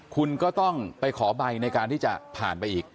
คุณก็ต้องไปขอใบในการที่จะผ่านไปอีก